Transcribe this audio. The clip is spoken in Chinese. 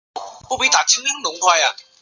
代码被分配给一个城市和五个区。